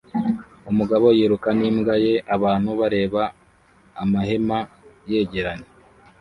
Umugabo yiruka n'imbwa ye abantu bareba amahema yegeranye